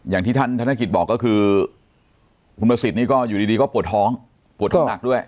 อย่างที่ท่านธนกิจบอกก็คือคุณประสิทธิ์นี่ก็อยู่ดีก็ปวดท้องปวดท้องหนักด้วย